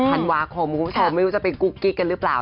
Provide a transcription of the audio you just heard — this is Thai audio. ธันวาคมไม่รู้จะเป็นกุ๊กกิ๊กกันหรือเปล่า